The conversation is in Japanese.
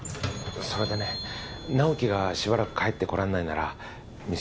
それでね直木がしばらく帰ってこらんないなら店